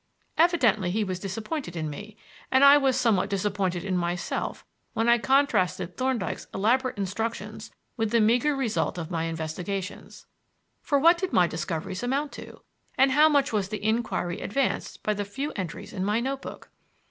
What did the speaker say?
Evidently he was disappointed in me; and I was somewhat disappointed in myself when I contrasted Thorndyke's elaborate instructions with the meager result of my investigations. For what did my discoveries amount to? And how much was the inquiry advanced by the few entries in my notebook?